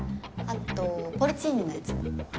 あとポルチーニのやつも。